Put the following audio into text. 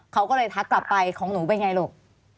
เขาก็เลยทักกลับไปของหนูเป็นไงลูก